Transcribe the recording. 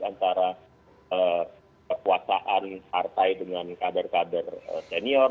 antara kekuasaan partai dengan kader kader senior